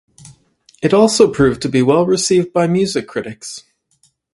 It also proved to be well received by music critics.